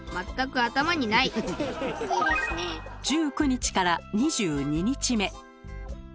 １９日から２２日目。